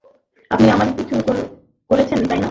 আপনি আমার পিছু করেছেন, তাই না?